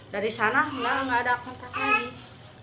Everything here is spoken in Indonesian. dari sana nggak ada kontak lagi